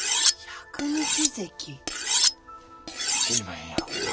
死にまへんやろ？